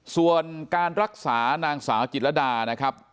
ส่วนการรักษานางสาวจิตรดานะครับ